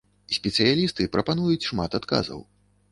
Спецыялісты прапануюць шмат адказаў.